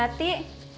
tapi tadi gak diare